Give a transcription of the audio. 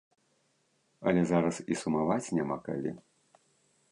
Але зараз і сумаваць няма калі.